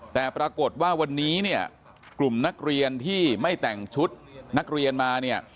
แต่ปรากฏว่าวันนี้เนี่ยกลุ่มนักเรียนที่ไม่แต่งชุดนักเรียนมาเนี่ย